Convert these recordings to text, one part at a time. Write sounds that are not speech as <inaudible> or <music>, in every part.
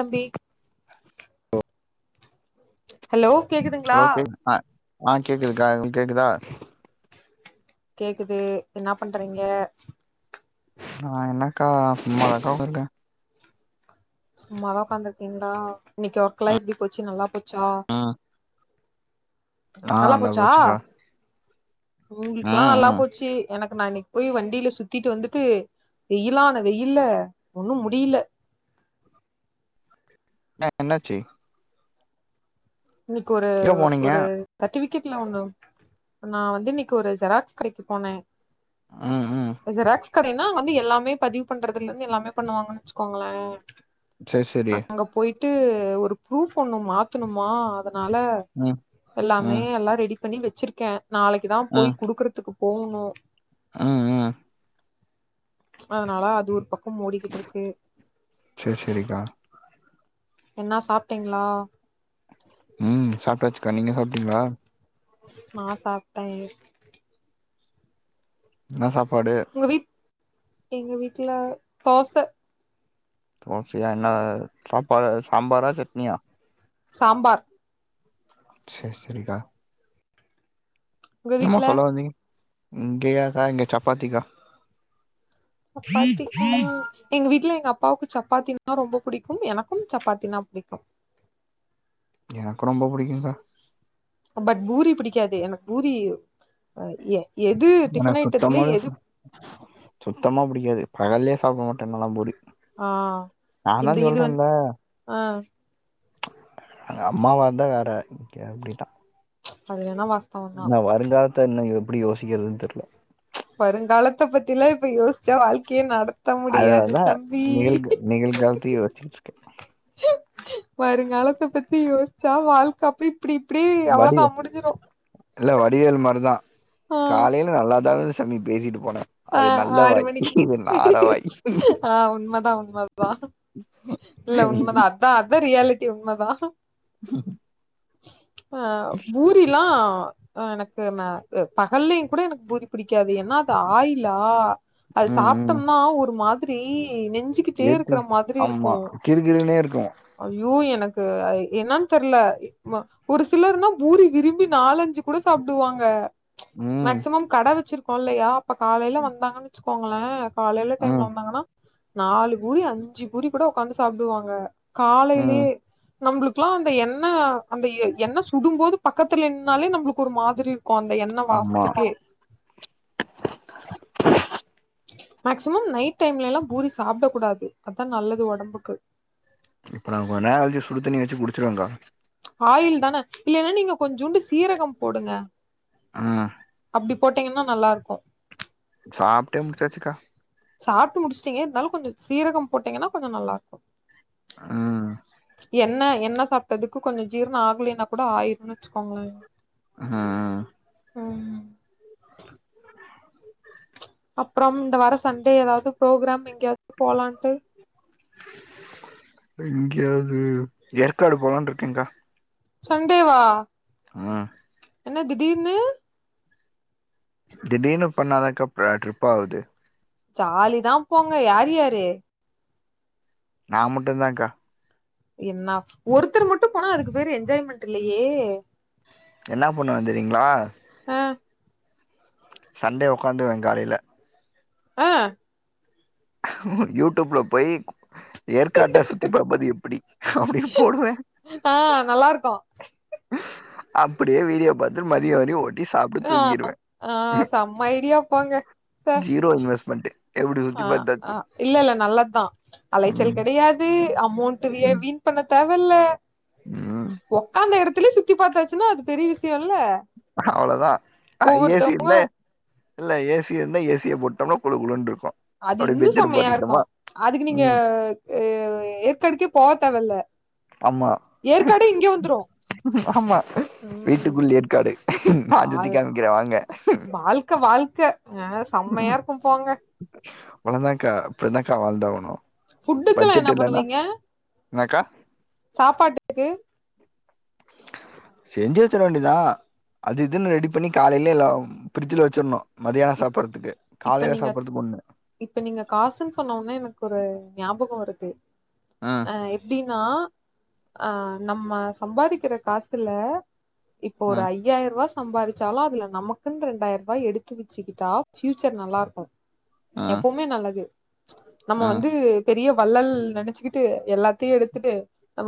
தம்பி ம் ஹலோ கேக்குதுங்ளா ஆ ஆ கேக்குதுக்கா கேக்குதா கேக்குது என்னா பண்றீங்க நா என்னக்கா சும்மா தான்க்கா உக்காந்துருக்க சும்மாதான் உட்காந்துருக்கீங்ளா இன்னைக்கு ஒர்க்ல்லா எப்டி போச்சு நல்லா போச்சா ம் ஆ நல்லா போச்சுக்கா உங்களுக்கெல்லா ம் நல்லா ம் போச்சு எனக்கு நா இன்னைக்கு போய் வண்டில சுத்திட்டு வந்துட்டு வெயிலான வெயில்ல ஒன்னு முடில ணா என்னாச்சு இன்னைக்கு ஒரு எங்க போனீங்க ஒரு சர்டிபிகேட்ல ஒன்னு நா வந்து இன்னைக்கு ஒரு ஜெராக்ஸ் கடைக்கு போன ம் ம் ஜெராக்ஸ் கடைனா வந்து எல்லாமே பதிவு பண்றதலந்து எல்லாமே பண்ணுவாங்கன்னு வெச்சுக்கோங்ளே சேரி சேரி அங்க போய்ட்டு ஒரு ப்ரூஃப் ஒண்ணு மாத்துணுமா அதனால ம் எல்லாமே ம் எல்லா ரெடி பண்ணி வெச்சிருக்க நாளைக்குதா ம் போய் குடுக்கறதுக்கு போணு ம் ம் அதனால அது ஒரு பக்கம் ஓடிக்கிட்ருக்கு சேர் சேரிக்கா என்னா சாப்ட்டீங்ளா ம் சாப்ட்டாச்சுக்கா நீங்க சாப்ட்டீங்ளா நா சாப்ட்டேன் என்ன சாப்பாடு உங்க வீட் எங்க வீட்ல தோச தோசயா என்ன சாப்பா சாம்பாரா சட்னியா சாம்பார் சேர் சேரிக்கா உங்க என்னமோ வீட்ல சொல்ல வந்தீங் இங்கயாக்கா இங்க சப்பாத்திக்கா சப்பாத்தி ம் எங்க வீட்ல எங்க அப்பாவுக்கு சப்பாத்தினா ரொம்ப புடிக்கு எனக்கும் சப்பாத்தினா புடிக்கு எனக்கு ரொம்ப புடிக்குங்க்கா பட் பூரி புடிக்காது எனக்கு பூரி எ எது டிஃபன் எனக்கு ஐட்டத்துலயே சுத்தமாவே எது சுத்தமா புடிக்காது பகல்லயே சாப்ட மாட்டன் நல்லா பூரி ஆ நான்தா இந்த இது வந்து சொல்றன்ல ஆ அ எங் அம்மாவாந்தா வேற இங்க அப்டிதா அது வேணா வாஸ் இன்னு வருங்காலத்த என்ன எப்டி யோசிக்கிறதுன்னு தெரில வருங்காலத்த பத்தியெல்லா இப்ப யோச்சா வாழ்க்கையே நட த்த முடியாது அதனாலதான் தம்பி நிகழ் நிகழ்காலத்தையும் யோசிச்சுட்டு இருக்கேன் வருங்காலத்த பத்தி யோஸ்ச்சா வாழ்க்க அப்டி இப்டி இப்டி அவ்ளோதா வடிய முடிஞ்சிரு இல்ல வடிவேலு மார்தா ஆ காலைல நல்லாதா சம்மி பேசிட்டு போன அ ஆறு மணிக்கு ஆ உண்மதா உண்மதா இல்ல உண்மதா அதா அதா ரியாலிட்டி உண்மதா ஆ பூரியெல்லா ஆ எனக்கு ம பகல்லயுங் கூட எனக்கு பூரி புடிக்காது ஏனா அது ஆயிலா அது ம், ம். சாப்ட்டம்னா ஒரு மாதிரி நெஞ்சு க்கிட்டே ஏத்து இருக்கற மாதிரி ஆமா இருக்கு கிறுகிறுனே இருக்கும் அய்யோ எனக்கு என்னன் தெர்ல வ ஒரு சிலர்னா பூரி விரும்பி நாலஞ்சு கூட சாப்டுவாங்க ம் மேக்சிமம் கட வச்சிருக்கோ இல்லயா அப்ப காலைல வந்தாங்கனு வச்சுக்கோங்ளே காலைல டைம்ல ம் வந்தாங்கன்னா நாலு பூரி அஞ்சு பூரி கூட ஒக்காந்து சாப்டுவாங்க ம் காலைலியே நம்ளுக்கெல்லா அந்த எண்ண அந்த எண்ண சுடு போது பக்கத்துல நின்னாலே நம்ளுக்கு ஒரு மாதிரி இருக்கு அந்த எண்ண ஆமா வாசத்துக்கே மேக்சிமம் நைட் டைம்லலா பூரி சாப்டக் கூடாது அதா நல்லது ஒடம்புக்கு இப்ப நா கொஞ்நேரோ கழுச்சு சுடு தண்ணி வச்சு குடிச்சிருவேக்கா ஆயில் தான இல்லின்னா நீங்க கொஞ்சுண்டு சீரகம் போடுங்க ஆ அப்டி போட்டீங்கன்னா நல்லாருக்கு சாப்டே முடுச்சாச்சுக்கா சாப்ட்டு முடிச்டிங்க இருந்தாலு கொஞ்சோ சீரகோ போட்டீங்கன்னா கொஞ்சோ நல்லா இருக்கு ம் என்ன என்ன சாப் எதுக்கு கொஞ்சோ ஜீரணோ ஆக்லின்னா கூட ஆயிருன்னு வச்சுக்கோங்ளே ஆ ம் அப்றம் இந்த வாரோ சண்டே ஏதாவது ப்ரோக்ராம் எங்கேயாவ்து போலான்ட்டு எங்கேயாவ்து ஏற்காடு போலான்ட்ருக்கேக்கா சண்டேவா ஆ என்ன திடீர்னு திடீர்னு பண்ணாதாக்கா அ ட்ரிப் ஆவுது ஜாலி தா போங்க யார் யாரு நா மட்டுதான்கா என்ன ஒருத்தர் மட்டு போனா அதுக்கு பேரு என்ஜாய்மெண்ட் இல்லேயே என்னா பண்ணுவே தெரியுங்ளா அ சண்டே ஒக்காந்துவே காலைல அ யூடிப்ல போய் ஏற்காட்ட சுத்தி பாப்பது எப்படி அப்டின்னு போடுவே ஆ நல்லாருக்கு அப்டியே வீடியோ பாத் து மதியோ வரையு ஓட்டி சாப்ட்டு தூங்கிடுவே ஆ செம்ம ஐடியா போங்க ஜீரோ இன்வெஸ்மெண்ட்டு அ அ இல்ல இல்ல நல்லத்தா அலைச்சல் ம் கெடையாது அமௌண்ட் வீய வீன் பண்ண தேவல்ல ம் ஒக்காந்த எடத்துலயே சுத்தி பாத்தாச்சுன்னா அது பெரிய விஷ்யோல்ல அவ்ளோதா ஏ சி யுந்தா இல்ல ஏ சி இருந்தா ஏ சிய போட்டோம்னா குழு குழுன்ட்ருக்கு அது இன்னு செம்மையா இருக்கு அதுக்கு நீங்க ம் ஏ ஏற்காடுக்கே போ தேவல்ல ஏற்காடே இங்க வந்ரு ம் ஆமா வீட்டுக்குள் ஏற்காடு நா சுத்தி வாழ் காமிக்ற வாங்க வாழ்க்க வாழ்க்க ஆ செம்மையா ம் இருக்கு போங்க அவ்ளதாக்கா அப்டிதாக்கா வாழ்தாவனு ஃபுட்டுக்குல்லா என்ன பண்ணுவீங்க என்னக்கா சாப்பாட்டுக்கு செஞ்சு வச்சிட வேண்டிதா அது இதுன்னு ரெடி பண்ணி காலையில எல்லா ஃபிரிஜ்ல வச்சிடணு மத்யான இப் சாப்பிட்றதுக்கு இப்ப காலையில நீங்க சாப்பிடடுறதுக்கு ஒண்ணு இப்ப நீங்க காசுன்னு சொன்னோனே எனக்கு ஒரு ஞாபகோ வருது ஆ எப்டின்னா ஆ நம்ம சம்பாதிக்கிற காசுல இப்போ ஆ ஒரு ஐயாயி ரூவா சம்பாரிச்சாலு அதுல நமக்குன்னு ரெண்டாயிரபாய் எடுத் து வச்சுக்கிட்டா பியூச்சர் நல்லாருக்கு ஆ எப்பவுமே நல்லது நம்ம ஆ வந்து பெரிய வள்ளல் நெனைச்சுக்கிட்டு எல்லாத்தையு எடுத்துட்டு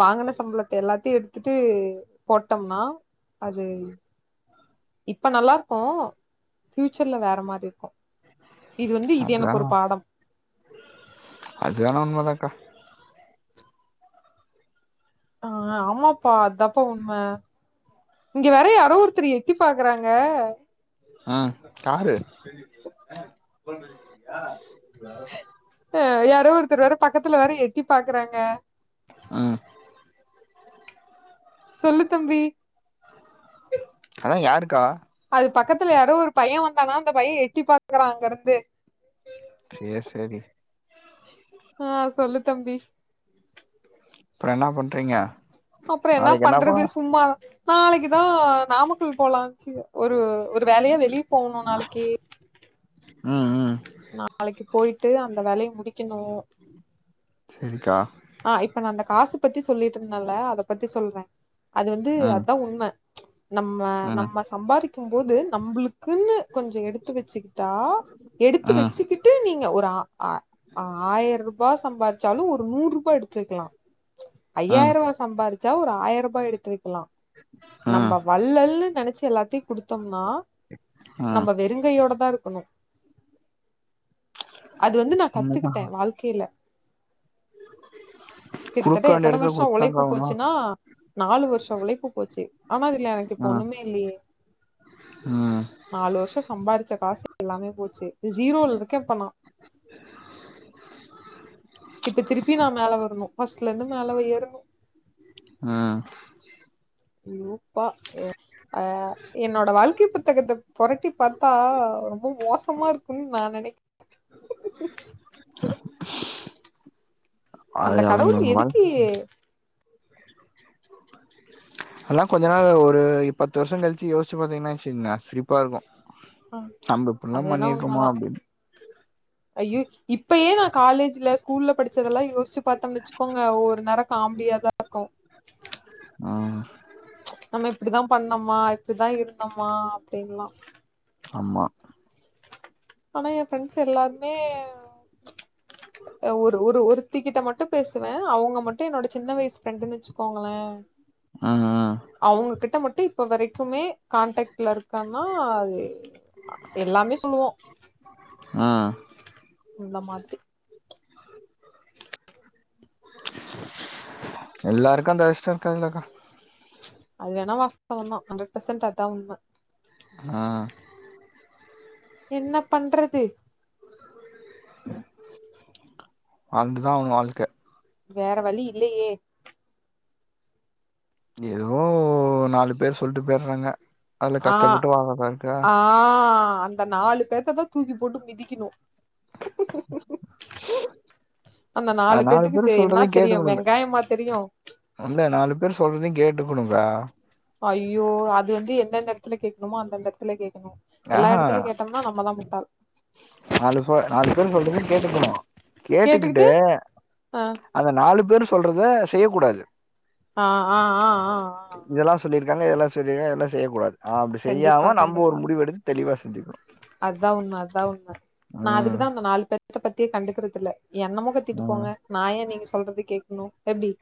வாங்கன சம்பளத்தை எல்லாத்தையு எடுத்துட்டு போட்டோம்னா அது இப்ப நல்லாருக்கு ஃபியூச்சர்ல வேற மாரி இருக்கு இது வந்து இது எனக்கு அதுதான் ஒரு பாடம் அது வேணா உண்மதாக்கா ஆ ஆமாப்பா அதாப்ப உண்ம இங்க வேர யாரோ ஒருத்தர் எட்டி பாக்குறாங்க ஆ காரு <unintelligible> யாரோ ஒருத்தர் வேற பக்கத்துல வேற எட்டி பாக்குறாங்க ம் சொல்லு தம்பி அதா யாருக்கா அது பக்கத்துல யாரோ ஒரு பைய வந்தானா அந்த பைய எட்டி பாக்குறா அங்க இருந்து செரி செரி ஆ சொல்லு தம்பி அப்றோ என்ன பண்ண அப்புறோ என்னாப் பண்றது சும்மா நாளைக்கி தா நாமக்கல் போலாணு ஒரு ஒரு வேலையா வெளியே போகணு நாளைக்கி ம் ம் நாளைக்கி போயிட்டு அந்த வேலையை முடிக்கணு சரிக்கா ஆ இப்ப நா அந்த காசு பத்தி சொல்லிட்டு இருந்தேன்ல அத பத்தி சொல்ற அது வந்து ம் அதா உண்ம நம்ம ம் நம்ம சம்பாரிக்கம் போது நம்மளுக்குன்னு கொஞ்ச எடுத்து வச்சுக்கிட்டா எடுத்து ம் வச்சுக்கிட்டு நீங்க ஒரு ஆ ஆ ஆயிரோ ரூபா சம்பாதி ச்சாலு ஒரு நூறு ரூபா எடுத்து வக்கலா ம் ஐயாயிரவா சம்பாரிச்சா ஒரு ஆயிரபா எடுத்து வக்கலா ம் நம்ப வள்ளல்ன்னு நெனைச்சு எல்லாத்தையு குடுத்தோம்னா ம் நம்ப வெருங்கையோட தா இருக்கணு அது வந்து நா என்னக்கா கத்துக்கிட்டே வாழ்க்கையில குடுக்க கிட்டத்தட்ட வேண்டிய எத்தனை எடத்துல வருஷம் குடுத்துதாங்க உழைப்பு ஆகணு போச்சுன்னா நாலு வருஷ உழைப்பு போச்சு ஆனா இதுல எனக்கு இப்ப ம் ஒண்ணுமே இல்லையே ம் நாலு வருஷோ சம்பாரிச்ச காசு எல்லாமே போச்சு ஜீரோல இருக்கே இப்ப நா இப்ப திருப்பி நா மேல வரணு ஃபஸ்ட்ல இருந்து மேல ஏறணு ம் லூப்பா எ ஆ என்னோட வாழ்க்கை புத்தகத்த பொரட்டி பாத்தா ரொம்ப மோசமா இருக்குன்னு நா நென ம் அது அந்த அவங்க கடவுள் வாழ் எதுக்கு அல்லா கொஞ்ச நாள் ஒரு பத்து வருஷம் கழிச்சு யோசிச்சு பாத்தீங்கன்னா வெச்சுக்கங்க சிரிப்பா இருக்கும் ஆ நம்ப இப்படில்லா அது வேணா பண்ணிருக்கோமா உண்மதா அப்படின்னு <unintelligible> இப்பயே நா காலேஜ்ல ஸ்கூல்ல படிச்சதெல்லா யோசிச்சு பாத்தம்ன்னு வெச்சுக்கோங்க ஒரு நேரம் காமடியியாதா இருக்கும் ஆ நம்ம இப்படிதான் பண்ணம்மா இப்படிதா இருந்தமா அப்படின்ல்லா ஆமா ஆனா என் ஃபிரெண்ட்ஸ் எல்லாருமே ஒரு ஒரு ஒருத்தி கிட்ட மட்டும் பேசுவேன் அவங்க மட்டும் என்னோட சின்ன வயசு ஃப்ரெண்டுன்னு வச்சுக்கோங்களே ம் ம் அவங்க கிட்ட மட்டும் இப்ப வரைக்குமே கான்டக்ட்ல இருக்கன்னா அது எல்லாமே சொல்லுவோம் ம் அந்த மாதிரி எல்லாருக்கும் அந்த அதிஷ்டம் இருக்காதுலக்கா அது வேணா வாஸ்தவந்தான் ஹண்ட்ரட் பெர்சன்ட் அதா உண்ம ஆ என்ன பண்றது வாழ்ந்து தா ஆவணு வாழ்க்க வேற வழி இல்லயே ஏதோ நாலு பேர் சொல்ட்டு போய்றாங்க ஆ ஆ அந்த நாலு பேத்த தா தூக்கி போட்டு மிதிக்கணும் அந்த நாலு அது பேத்துக்கு தெ பேர் என்ன சொல்றதையு தெரியு வெங்காயமா தெரியும் ஒன்ல நாலு பேர் சொல்றதையும் கேட்டுக்கணுக்கா ஐயோ அது வந்து எந்தெந்த எடத்துல கேக்ணுமோ அந்தந்த எடத்துல கேக்கணு எல்லா அஹான் எடத்துலயு கேட்டோம்னா நம்மதா முட்டாள் நாலு பா நாலு பேர் சொல்றதயு கேட்டுக்கனு கேட்டுக்கிட்டு ஆ அந்த நாலு பேரு சொல்றத செய்ய கூடாது ஆ ஆ ஆ ஆ ஆ இதெல்லா சொல்லிருக்காங்க இதெல்லா சொல்லி இதெல்லா செய்ய கூடாது ஆ அப்டி கண்டிப்பா செய்யாம நம்ம ஒரு கண்டிப்பா முடிவு எடுத் தெளிவா சிந்திக்கறோம் அதா உண்ம அதா உண்ம நா ம், அதுக்குதா அந்த நாலு பேத்த பத்தியே கண்டுக்குறதுல்ல என்னமோக கத்திட்டு ம், போங்க நா ஏ நீங்க சொல்றத கேட்கணு எப்டி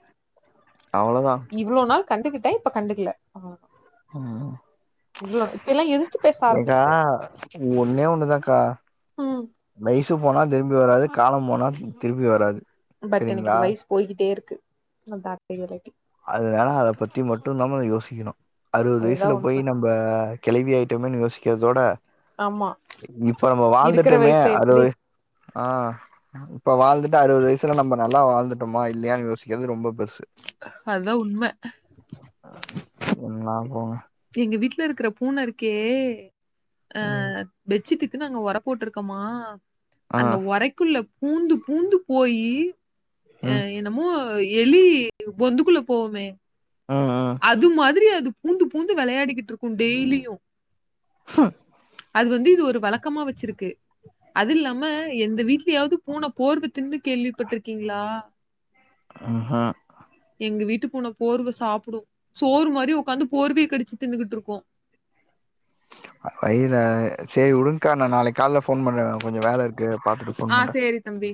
அவ்ளோதான் இவ்ளோ நாள் கண்டுகிட்டேன் இப்ப கண்டுக்கல ம். இவளோ இப்பல்லா எதித்து பேச ஏக்கா ஆரம்பிச்சுட்டேன் ஒன்னே ஒண்ணுதாக்கா ம் வயசு போனா திரும்பி வராது காலம் போனா திரும்பி வராது பட் எனக்கு சரிங்களா இப்ப வயசு போய்கிட்டே இருக்கு <unintelligible> அதனால அத பத்தி மட்டு நம யோசிக்கணு அறுவது அதுதா வயசுல போயி உண்ம நம்ம ப்ப கெழவி ஆய்ட்டோமேன்னு யோசிக்கிறதோட ஆமா இப்ப நம்ம இருக்கிற வாழ்ந்துட்டோமே வயசுல எப்டி அறுவது ஆ இப்ப வாழ்ந்துட்டு அறுவது வயசுல நம்ம நல்லா வாழ்ந்துட்டோமா இல்லையானு யோசிக்கிறது ரொம்ப பெருசு அதா உண்ம என்ன போங்க எங்க வீட்ல இருக்குற பூன இருக்கே அ ம் பெச்சிட்டுக்கு நாங்க ஒர போட்ருக்கமா ஆ அந்த ஒரைக்குள்ள பூந்து பூந்து போயி ம் அ என்னமோ எலி பொந்துக்குள்ள போவுமே ஆ ஆ அது மாதிரி அது பூந்து பூந்து வெளையாடிக்கிட்டுருக்கு டேலியு <unintelligible> அது வந்து இது ஒரு வழக்கமா வச்சிருக்கு அது இல்லாம எந்த வீட்லயாவது பூன போர்வ தின்னு கேள்விப்பட்ருக்கீங்ளா ஆஹா எங்க வீட்டு பூன போர்வ சாப்புடு சோறு மாரி உக்காந்து போர்வைய கடிச்சு தின்னுகிட்டு இருக்கு அய்ர சேரி உடுங்க்கா நா நாளைக் கால்ல ஃபோன் பண்ற கொஞ்சோ வேல இருக்கு பாத்துட்டு ஃபோன் ஆ பண்றே சேரி தம்பி